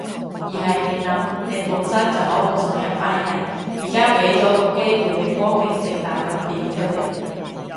而係你諗，你本身就好唔爽一班人，而家畀咗個機會你光明正大噉屌佢哋